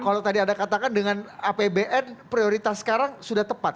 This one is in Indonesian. kalau tadi anda katakan dengan apbn prioritas sekarang sudah tepat